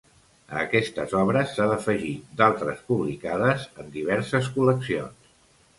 A aquestes obres s'ha d'afegir d'altres publicades en diverses col·leccions.